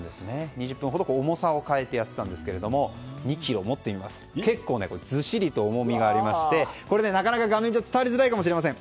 ２０分ほど重さを変えてやっていたんですが２ｋｇ、持ってみますと結構ずしりと重みがありましてこれ、なかなか画面では伝わりづらいかもしれません。